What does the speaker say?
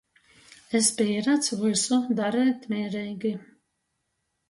Es pīrads vysu dareit mīreigi.